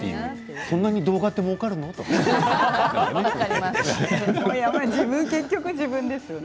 そんなに動画ってもうかるの？とかね。